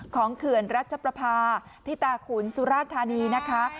เขื่อนรัชประพาที่ตาขุนสุราธานีนะคะ